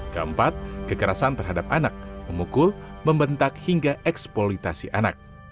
keempat kekerasan terhadap anak memukul membentak hingga eksploitasi anak